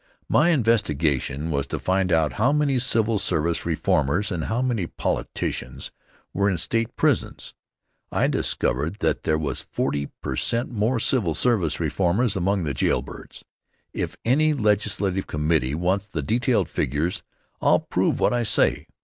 My investigation was to find out how many civil service reformers and how many politicians were in state prisons. I discovered that there was forty per cent more civil service reformers among the jailbirds. If any legislative committee wants the detailed figures, I'll prove what I say.